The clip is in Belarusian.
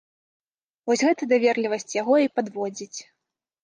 Вось гэта даверлівасць яго і падводзіць.